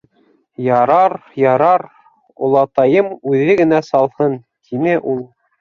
Ярар, ярар, олатайым үҙе генә салһын, — тине ул.